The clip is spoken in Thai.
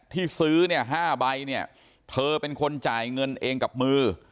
ที่ซื้อเนี่ย๕ใบเนี่ยเธอเป็นคนจ่ายเงินเองกับมือ